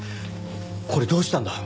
これどうしたんだ？